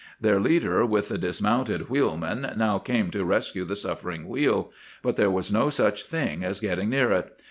Their leader, with the dismounted wheelman, now came to rescue the suffering wheel. But there was no such thing as getting near it.